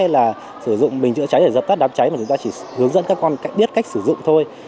hay là sử dụng bình chữa cháy để dập tắt đám cháy mà chúng ta chỉ hướng dẫn các con biết cách sử dụng thôi